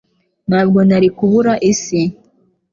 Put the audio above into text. Ntabwo nari kubura isi